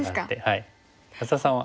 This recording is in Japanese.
安田さんは？